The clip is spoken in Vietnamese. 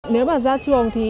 nếu bà ra trường thì